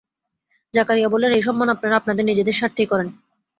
জাকারিয়া বললেন, এই সম্মান আপনারা আপনাদের নিজেদের স্বার্থেই করেন।